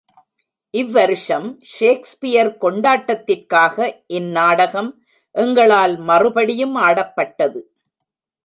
இவ் வருஷம் ஷேக்ஸ்பியர் கொண்டாட்டத்திற்காக இந் நாடகம் எங்களால் மறுபடியும் ஆடப்பட்டது.